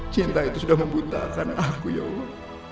cinta itu sudah membuntakan aku ya allah